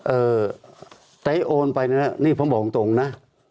เออแต่โอนไปเนี่ยนะนี่ผมบอกตรงนะ